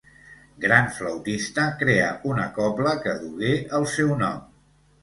Gran flautista, creà una cobla que dugué el seu nom.